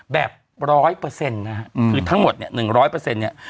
แบบ๑๐๐นะครับคือทั้งหมดเนี่ย๑๐๐เนี่ย